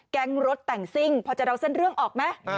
แก๊งรถแต่งซิ่งพอจะเล่าเส้นเรื่องออกมั้ย